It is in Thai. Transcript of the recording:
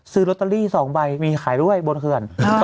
ซื้อลอตเตอรี่๒ใบมีขายด้วยบนเขื่อน